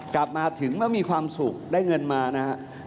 กลับมาถึงเมื่อมีความสุขได้เงินมานะครับ